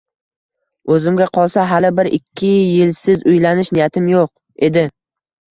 O`zimga qolsa hali bir-ikki yilsiz uylanish niyatim yo`q edi